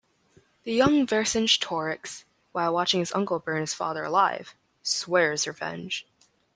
The young Vercingetorix, while watching his uncle burn his father alive, swears revenge.